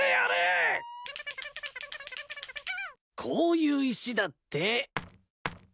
こういう石だって。